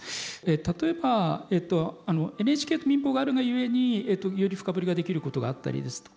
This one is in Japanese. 例えばＮＨＫと民放があるがゆえにより深掘りができることがあったりですとか